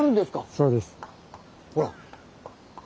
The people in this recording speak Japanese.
そうです。ほら！